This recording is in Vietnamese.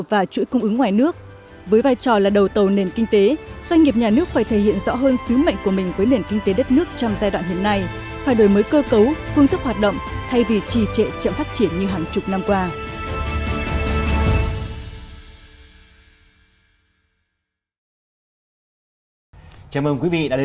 vài trò là đầu tầu nền kinh tế doanh nghiệp nhà nước phải thể hiện rõ hơn sứ mệnh của mình với nền kinh tế đất nước trong giai đoạn hiện nay phải đổi mới cơ cấu phương thức hoạt động thay vì trì trệ trợ phát triển như hàng chục năm qua